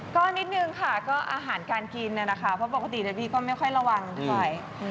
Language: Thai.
ก็นิดนึงค่ะก็อาหารการกินน่ะนะคะเพราะปกติพี่ก็ไม่ค่อยระวังเท่าไหร่